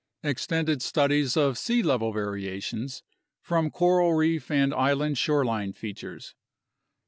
Extended studies of sea level variations from coral reef and island shorelines features.